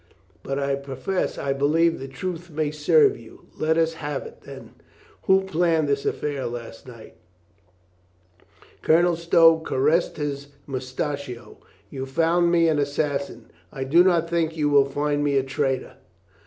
But I profess I believe the truth may serve you. Let us have it, then. Who planned this affair of last night?" Colonel Stow caressed his moustachio. "You found me an assassin, I do not think you will find me a traitor."